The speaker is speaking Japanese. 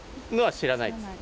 知らないです。